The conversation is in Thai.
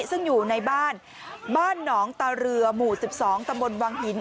ซึ่งอยู่ในบ้านบ้านหนองตาเรือหมู่๑๒ตำบลวังหิน